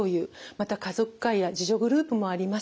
また家族会や自助グループもあります。